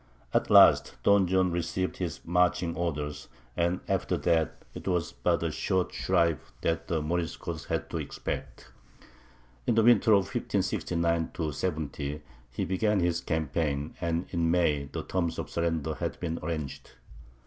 At last Don John received his marching orders, and after that, it was but a short shrive that the Moriscos had to expect. In the winter of 1569 70 he began his campaign, and in May the terms of surrender had been arranged.